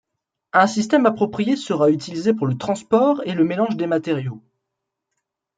Un système approprié sera utilisé pour le transport et le mélange des matériaux.